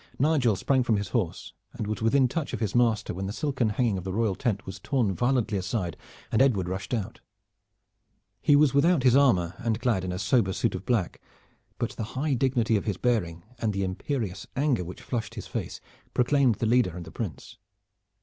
Nigel sprang from his horse and was within touch of his master when the silken hanging of the royal tent was torn violently aside and Edward rushed out. He was without his armor and clad in a sober suit of black, but the high dignity of his bearing and the imperious anger which flushed his face proclaimed the leader and the Prince.